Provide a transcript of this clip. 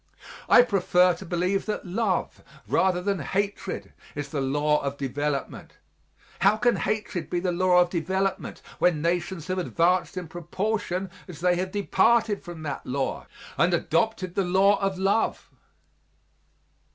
I prefer to believe that love rather than hatred is the law of development. How can hatred be the law of development when nations have advanced in proportion as they have departed from that law and adopted the law of love?